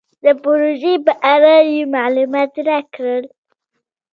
د پروژې په اړه یې مالومات راکړل.